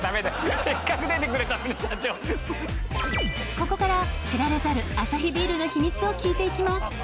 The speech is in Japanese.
ここから知られざるアサヒビールの秘密を聞いていきます。